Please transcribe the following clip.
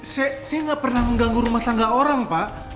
saya nggak pernah mengganggu rumah tangga orang pak